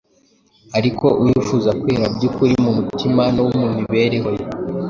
Ariko uwifuza kwera by’ukuri mu mutima no mu mibereho ye,